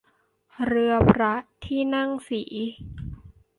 เรือพระที่นั่งศรี